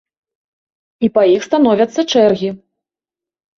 І па іх становяцца чэргі.